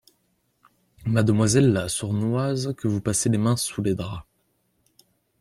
Mademoiselle la sournoise, que vous passez les mains sous les draps?